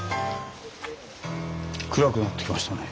暗くなってきましたね。